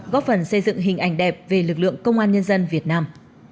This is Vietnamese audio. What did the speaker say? góp phần xây dựng hình ảnh đẹp về lực lượng công an nhân dân việt nam